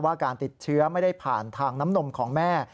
การติดเชื้อไม่ได้ผ่านทางน้ำนมของแม่